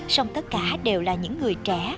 xong tất cả đều là những người trẻ